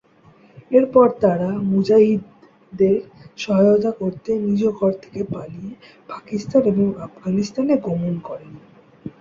এরপর তারা মুজাহিদদের সহায়তা করতে নিজ ঘর থেকে পালিয়ে পাকিস্তান এবং আফগানিস্তানে গমন করেন।